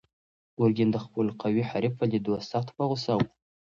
ګرګین د خپل قوي حریف په لیدو سخت په غوسه و.